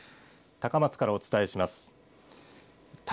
高知からお伝えしました。